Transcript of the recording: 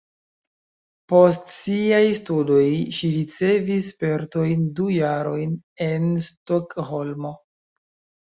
Post siaj studoj ŝi ricevis spertojn du jarojn en Stokholmo.